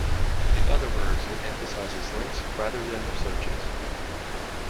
In other words, it emphasizes links rather than the searches.